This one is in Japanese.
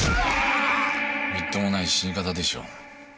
みっともない死に方でしょう。